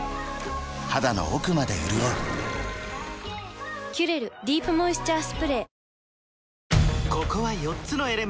肌の奥まで潤う「キュレルディープモイスチャースプレー」